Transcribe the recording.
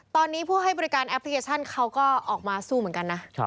ตอนนี้ผู้ให้บริการแอปพลิเคชันเขาก็ออกมาสู้เหมือนกันนะ